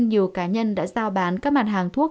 nhiều cá nhân đã giao bán các mặt hàng thuốc